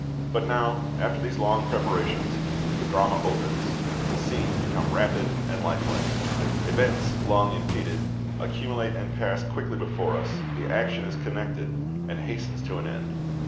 But now, after these long preparations, the drama opens, the scenes become rapid and lifelike; events, long impeded, accumulate and pass quickly before us, the action is connected and hastens to an end.